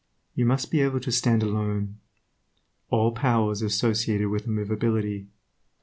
You must be able to stand alone. All power is associated with immovability.